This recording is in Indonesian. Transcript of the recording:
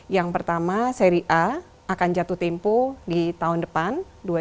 yang pertama seri a akan jatuh tempo di tahun depan dua ribu dua puluh